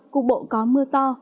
cùng bộ có mưa to